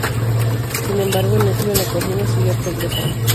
Sin embargo, el núcleo en la colina siguió progresando.